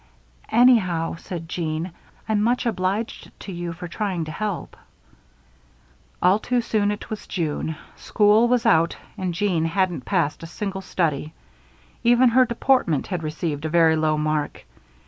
"Anyhow," said Jeanne, "I'm much obliged to you for trying to help." All too soon it was June. School was out and Jeanne hadn't passed in a single study. Even her deportment had received a very low mark.